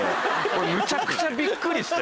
俺むちゃくちゃびっくりして。